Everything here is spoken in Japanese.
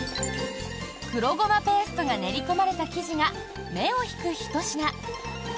黒ごまペーストが練り込まれた生地が目を引くひと品。